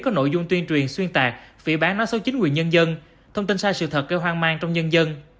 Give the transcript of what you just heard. có nội dung tuyên truyền xuyên tạc phỉ bán nói xấu chính quyền nhân dân thông tin sai sự thật gây hoang mang trong nhân dân